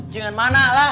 jangan mana lah